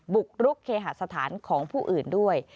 บุกรุกเคหาสถานของผู้อื่นด้วย